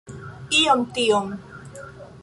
Iom tiom